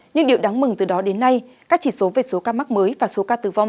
nhưng điều đáng mừng từ đó đến nay các chỉ số về số ca mắc mới và số ca tử vong